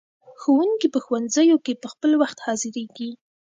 ښوونکي په ښوونځیو کې په خپل وخت حاضریږي.